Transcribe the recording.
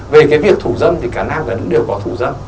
về cái việc thủ dâm thì cả nam cả nước đều có thủ dâm